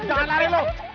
jangan lari lu